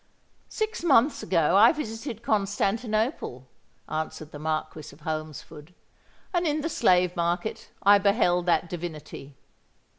"Six months ago I visited Constantinople," answered the Marquis of Holmesford; "and in the Slave Market I beheld that divinity.